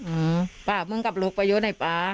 อืมป้ามึงกับลูกไปอยู่ไหนป๊า